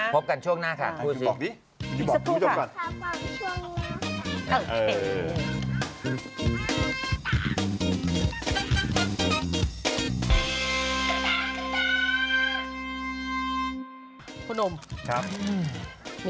พบกันช่วงหน้าค่ะพูดสิ